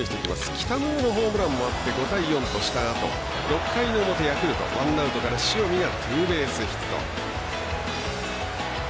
北村のホームランもあって５対４としたあと６回の表、ヤクルトワンアウトから塩見がツーベースヒット。